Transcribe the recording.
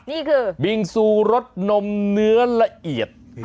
นี่คือบิงซูรสนมเนื้อละเอียด